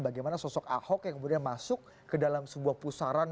bagaimana sosok ahok yang kemudian masuk ke dalam sebuah pusaran